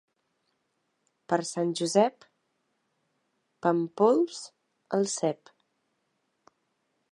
Per Sant Josep, pàmpols al cep.